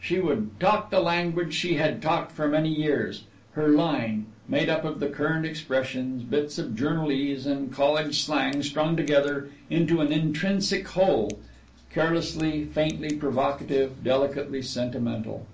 She would talk the language she had talked for many years her line made up of the current expressions, bits of journalese and college slang strung together into an intrinsic whole, careless, faintly provocative, delicately sentimental.